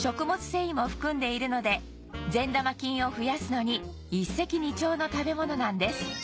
繊維も含んでいるので善玉菌を増やすのに一石二鳥の食べ物なんです